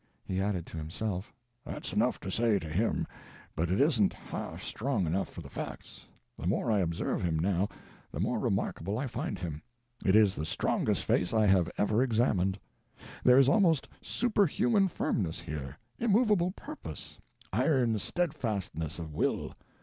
He added to himself, "That's enough to say to him, but it isn't half strong enough for the facts. The more I observe him, now, the more remarkable I find him. It is the strongest face I have ever examined. There is almost superhuman firmness here, immovable purpose, iron steadfastness of will.